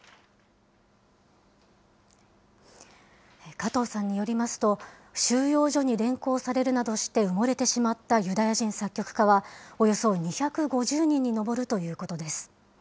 加藤さんによりますと、収容所に連行されるなどして埋もれてしまったユダヤ人作曲家は、およそ２５０人に上るということです。